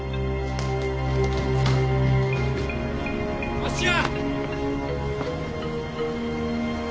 芦屋！